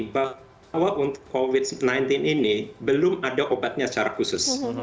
bahwa untuk covid sembilan belas ini belum ada obatnya secara khusus